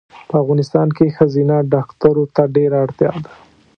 په افغانستان کې ښځېنه ډاکټرو ته ډېره اړتیا ده